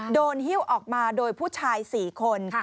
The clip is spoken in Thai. หิ้วออกมาโดยผู้ชาย๔คน